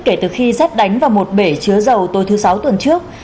kể từ khi rét đánh vào một bể chứa dầu tôi thứ sáu tuần trước